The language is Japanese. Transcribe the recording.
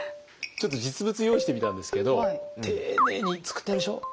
ちょっと実物用意してみたんですけど丁寧に作ってあるでしょう？